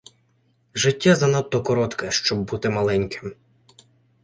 Життя занадто коротке, щоб бути маленьким.